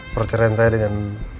perceraian saya dengan